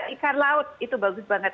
ikan laut itu bagus banget